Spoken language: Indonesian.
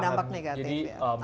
dan ini perlu dipahami